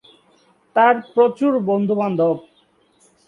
তার প্রচুর বন্ধু-বান্ধব।